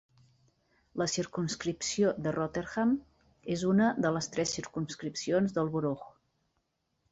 La circumscripció de Rotherham és una de les tres circumscripcions del "borough".